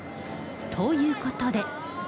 ということで。